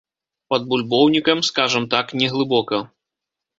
Пад бульбоўнікам, скажам так, не глыбока.